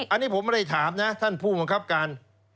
อันนี้ผมไม่ได้ถามนะท่านผู้บังคับการ